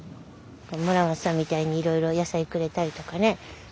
村松さんみたいにいろいろ野菜くれたりとかね。